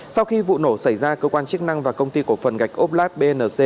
sau khi vụ nổ xảy ra cơ quan chức năng và công ty cổ phần gạch oplad bnc